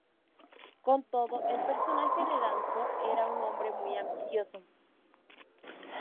Con todo, el personaje de Danzō era un hombre muy ambicioso.